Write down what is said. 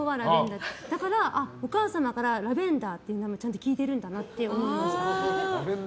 だから、お母様からラベンダーって言葉をちゃんと聞いてるんだなって。